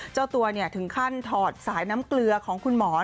เจ้าตัวถึงขั้นถอดสายน้ำเกลือของคุณหมอ